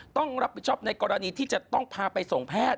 ต้องรับผิดชอบในกรณีที่จะต้องพาไปส่งแพทย์